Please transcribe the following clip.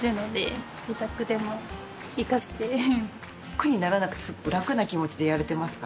苦にならなくて楽な気持ちでやれてますか？